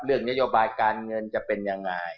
นโยบายการเงินจะเป็นยังไง